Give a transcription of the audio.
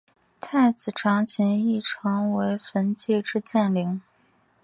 太子长琴亦成为焚寂之剑灵。